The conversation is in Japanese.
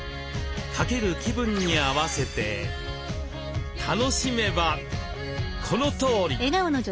掛ける気分に合わせて楽しめばこのとおり！